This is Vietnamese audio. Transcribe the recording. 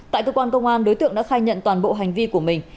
tại cơ quan công an đối tượng đã khai nhận toàn bộ hành vi của mình